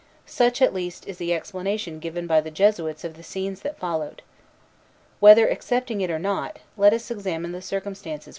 Such, at least, is the explanation given by the Jesuits of the scenes that followed. Whether accepting it or not, let us examine the circumstances which gave rise to it.